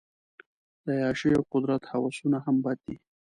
د عیاشۍ او قدرت هوسونه هم بد دي.